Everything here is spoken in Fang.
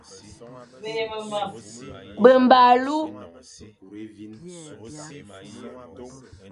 Mbemba alu.